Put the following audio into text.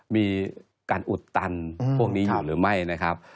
มีการอุดตันพวกนี้อยู่หรือไม่นะครับ